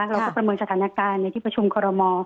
เราก็ประเมินสถานการณ์ในที่ประชุมกรม